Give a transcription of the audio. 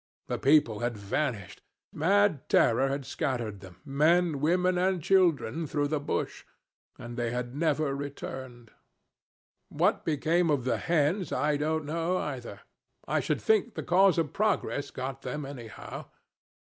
The people had vanished. Mad terror had scattered them, men, women, and children, through the bush, and they had never returned. What became of the hens I don't know either. I should think the cause of progress got them, anyhow.